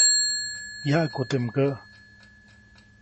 Yaʼku teʼ mgäʼ.